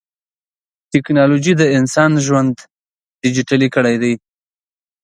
ټکنالوجي د انسان ژوند ډیجیټلي کړی دی.